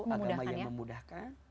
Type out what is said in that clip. agama yang memudahkan